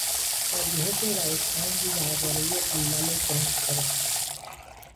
پژوهش روشمندی دربارهی علل جنگ کره